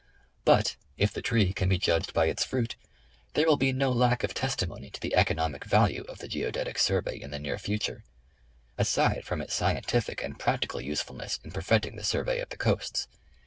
But if the tree can be judged by its fruit, there will be no lack of testimony to the economic value of the Geodetic Survey in the near future; aside from its scientific and practical usefulness in perfecting the Survey of the Coasts.